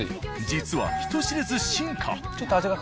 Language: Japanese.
実は人知れず進化。